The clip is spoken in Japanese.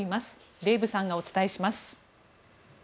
デーブさんがお伝えします。